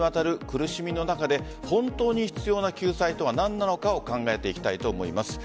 長年にわたる苦しみの中で本当に必要な救済とは何なのかを考えていきたいと思います。